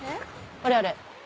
あれあれ。